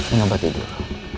ini obat tidur